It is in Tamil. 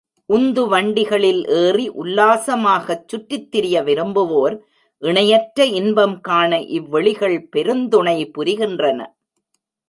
உந்துவண்டிகளில் ஏறி உல்லாசமாகச் சுற்றித் திரிய விரும்புவோர், இணையற்ற இன்பம் காண இவ்வெளிகள் பெருந்துணை புரிகின்றன.